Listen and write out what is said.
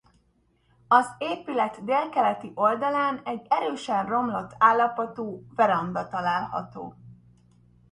Az épület délkeleti oldalán egy erősen romlott állapotú veranda található.